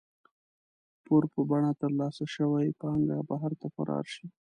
پور په بڼه ترلاسه شوې پانګه بهر ته فرار شي.